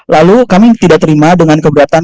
lalu kami tidak terima dengan keberatan